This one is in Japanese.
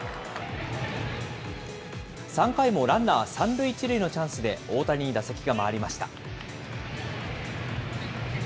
３回もランナー１塁３塁のチャンスで、大谷に打席が回りました。